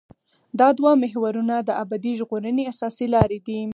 دا دوه محورونه د ابدي ژغورنې اساسي لاره دي.